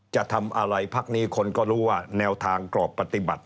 จะทำอะไรพักนี้คนก็รู้ว่าแนวทางกรอบปฏิบัติ